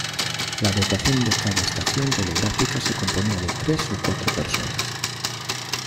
La dotación de cada estación telegráfica se componía de tres o cuatro personas.